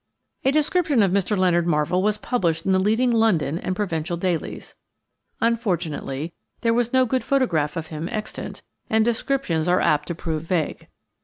A description of Mr. Leonard Marvell was published in the leading London and provincial dailies. Unfortunately, there was no good photograph of him extant, and descriptions are apt to prove vague.